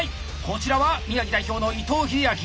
こちらは宮城代表の伊藤英昭。